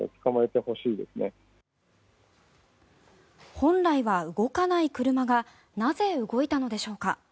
本来は動かない車がなぜ動いたのでしょうか。